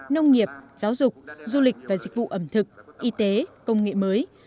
nông nghiệp giáo dục du lịch và dịch vụ ẩm thực y tế công nghệ mới